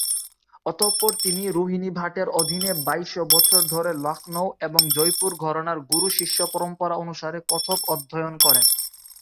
অতঃপর তিনি রোহিণী ভাটের অধীনে বাইশ বছর ধরে লখনউ এবং জয়পুর ঘরানার গুরু-শিষ্য পরম্পরা অনুসারে কত্থক অধ্যয়ন করেন।